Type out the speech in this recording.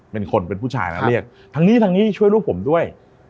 เป็นคนเป็นผู้ชายแล้วเรียกทางนี้ทางนี้ช่วยลูกผมด้วย